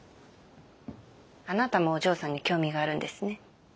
あなたもお嬢さんに興味があるんですね。